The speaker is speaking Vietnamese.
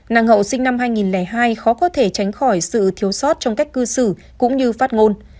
năng hậu sinh năm hai nghìn hai khó có thể tránh khỏi sự thiếu sót trong cách cư xử cũng như phát ngôn